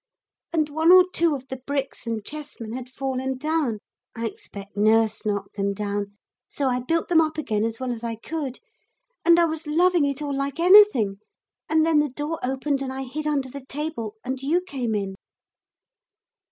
And one or two of the bricks and chessmen had fallen down. I expect nurse knocked them down. So I built them up again as well as I could and I was loving it all like anything; and then the door opened and I hid under the table, and you came in.'